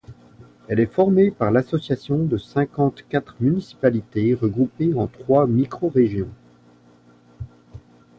Elle est formée par l'association de cinquante-quatre municipalités regroupées en trois microrégions.